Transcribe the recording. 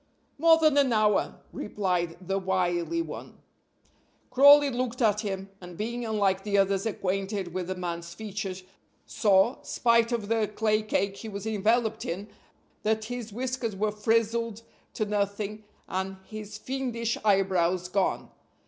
"More than an hour," replied the wily one. Crawley looked at him, and being, unlike the others, acquainted with the man's features, saw, spite of the clay cake he was enveloped in, that his whiskers were frizzled to nothing and his fiendish eyebrows gone.